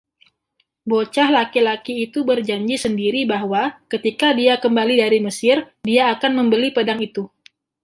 bocah laki-laki itu berjanji sendiri bahwa, ketika dia kembali dari Mesir, dia akan membeli pedang itu.